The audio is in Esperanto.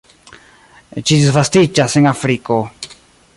Ĝi disvastiĝas en Afriko.